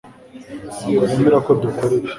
Ntabwo nemera ko dukora ibi